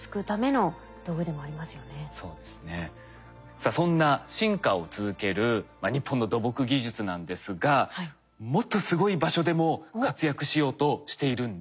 さあそんな進化を続ける日本の土木技術なんですがもっとすごい場所でも活躍しようとしているんです。